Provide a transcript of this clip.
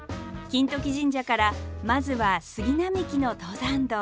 公時神社からまずは杉並木の登山道。